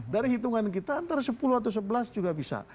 dari hitungan kita antara sepuluh atau sebelas juga bisa